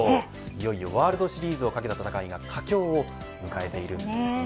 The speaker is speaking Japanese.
いよいよワールドシリーズを懸けた戦いが佳境を迎えています。